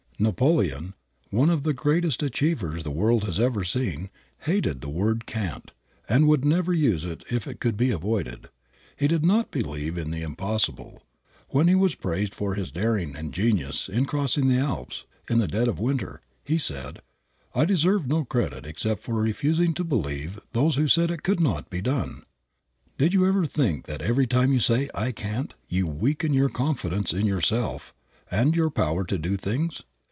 Napoleon, one of the greatest achievers the world has ever seen, hated the word "can't" and would never use it if it could be avoided. He did not believe in the "impossible." When he was praised for his daring and genius in crossing the Alps in the dead of winter, he said, "I deserve no credit except for refusing to believe those who said it could not be done." Did you ever think that every time you say "I can't" you weaken your confidence in yourself and your power to do things?